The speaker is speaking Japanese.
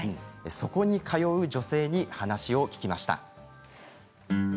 そこに通う女性に話を聞きました。